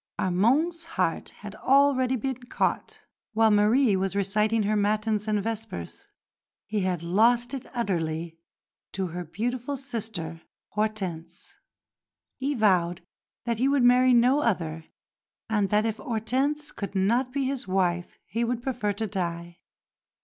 Armande's heart had already been caught while Marie was reciting her matins and vespers: He had lost it utterly to her beautiful sister, Hortense; he vowed that he would marry no other, and that if Hortense could not be his wife he would prefer to die.